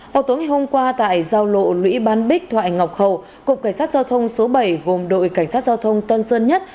vào tối hôm qua tại giao lộ lũy ban bích thoại ngọc hầu cục cảnh sát giao thông số bảy gồm đội cảnh sát giao thông tân sơn nhất